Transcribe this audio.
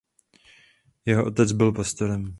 Jeho otec byl pastorem.